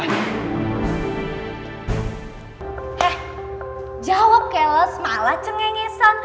eh jawab keles malah cengengesan